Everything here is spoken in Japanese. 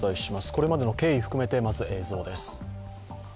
これまでの経緯含めて、まず映像です。